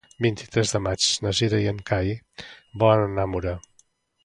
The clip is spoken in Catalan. El vint-i-tres de maig na Cira i en Cai volen anar a Mura.